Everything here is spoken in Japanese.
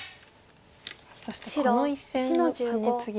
そしてこの１線のハネツギも。